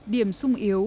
điểm sung yếu